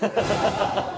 ハハハ！